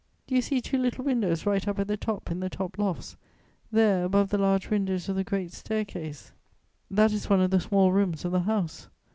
Do you see two little windows, right up at the top, in the lofts, there, above the large windows of the great stair case? That is one of the small rooms of the house.